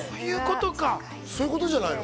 そういうことじゃないの？